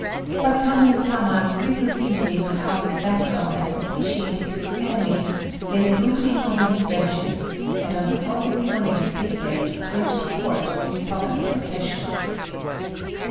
But Kamei Sama, little thinking how his vassal had propitiated his enemy, lay brooding over his vengeance, and on the following morning at daybreak went to Court in solemn procession.